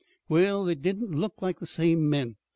"Well, they didn't look like the same men.